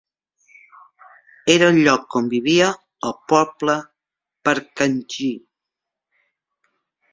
Era el lloc on vivia el poble paarkantji.